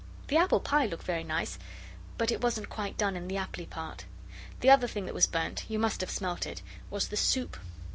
The apple pie looked very nice but it wasn't quite done in the apply part. The other thing that was burnt you must have smelt it, was the soup.